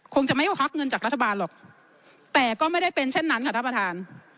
คงจะไม่ควักเงินจากรัฐบาลหรอกแต่ก็ไม่ได้เป็นเช่นนั้นค่ะท่านประธาน